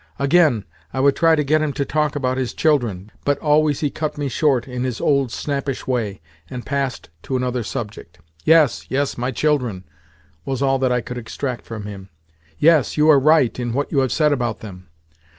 Again, I would try to get him to talk about his children, but always he cut me short in his old snappish way, and passed to another subject. "Yes, yes—my children," was all that I could extract from him. "Yes, you are right in what you have said about them."